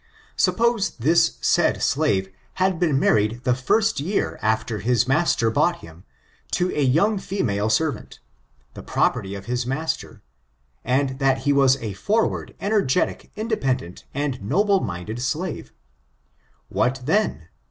Suppose this said slave had been married the first year after his master bought him, to a young fismale servant. I < 620 STBIGTURX8 the property of his roaster, and that he was a iorward* energetic* independent, and noble minded slave. What dien?